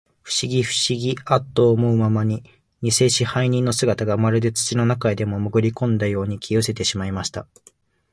ふしぎ、ふしぎ、アッと思うまに、にせ支配人の姿が、まるで土の中へでも、もぐりこんだように、消えうせてしまいました。